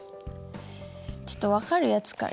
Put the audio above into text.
ちょっと分かるやつから。